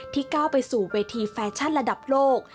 ก้าวไปสู่เวทีแฟชั่นระดับโลก